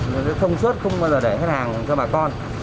nó sẽ thông suất không bao giờ để hết hàng cho bà con